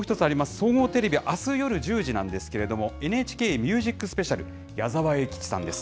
総合テレビ、あす夜１０時なんですけれども、ＮＨＫＭＵＳＩＣＳＰＥＣＩＡＬ、矢沢永吉さんです。